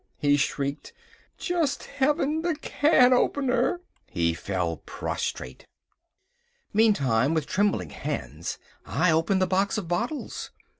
he shrieked, "just Heaven, the can opener." He fell prostrate. Meantime, with trembling hands, I opened the box of bottles.